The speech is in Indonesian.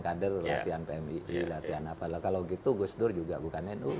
kader latihan pmi latihan apalah kalau gitu gus dur juga bukan nu